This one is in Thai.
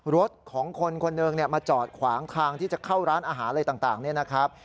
รถของคนคนหนึ่งมาจอดขวางทางที่จะเข้าร้านอาหารอะไรต่างเนี่ยนะครับ